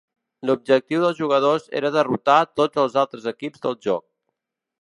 L'objectiu dels jugadors era derrotar tots els altres equips del joc.